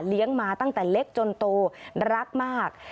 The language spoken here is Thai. เลี้ยงมาตั้งแต่เล็กจนโตรักมาก